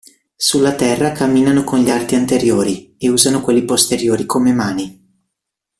Sulla terra camminano con gli arti anteriori, e usano quelli posteriori come mani.